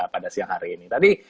pada siang hari ini tadi